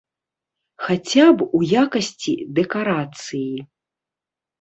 Хаця б у якасці дэкарацыі.